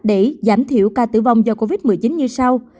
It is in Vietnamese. để giảm thiểu ca tử vong do covid một mươi chín như sau